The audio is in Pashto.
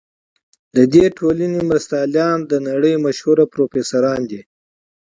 د دې ټولنې مرستیالان د نړۍ مشهور پروفیسوران دي.